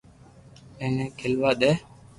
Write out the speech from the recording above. ايني کلوا دي